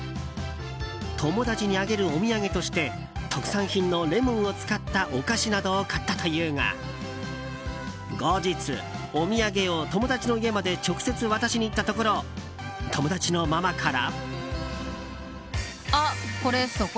友達にあげるお土産として特産品のレモンを使ったお菓子などを買ったというが後日、お土産を友達の家まで直接渡しに行ったところ友達のママから。